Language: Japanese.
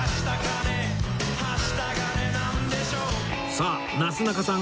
さあなすなかさん